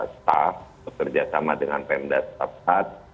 staf bekerja sama dengan pemdat tepat